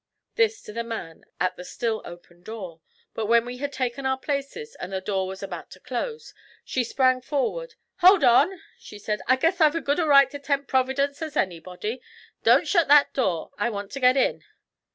this to the man at the still open door. But when we had taken our places and the door was about to close, she sprang forward. 'Hold on!' she said. 'I guess I've as good a right to tempt Providence as anybody! Don't shet that door! I want to git in.'